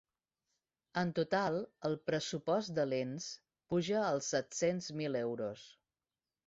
En total el pressupost de l’ens puja als set-cents mil euros.